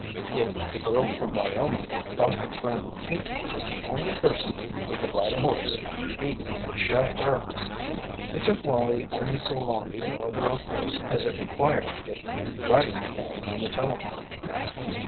If "the girl from Wyoming" thought her friend Pinkey was the only person who could ride a horse, he would show her! It took Wallie only so long to order a horse as it required to get the Riding Academy on the telephone.